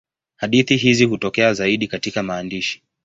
Hadithi hizi hutokea zaidi katika maandishi.